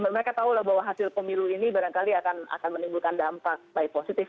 mereka tahu lah bahwa hasil pemilu ini barangkali akan menimbulkan dampak baik positif